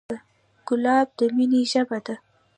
ګلاب د مینې ژبه ده.